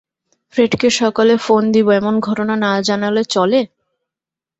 Fred কে সকালে phone দিব, এমন ঘটনা না জানালে চলে!